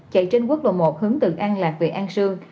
chạy trên quốc lộ một hướng từ an lạc về an sương